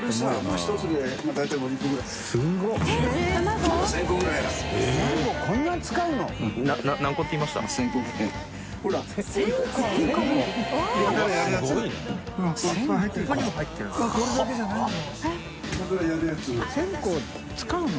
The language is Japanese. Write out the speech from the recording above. １０００個使うの？